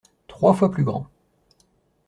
Trois fois plus grand.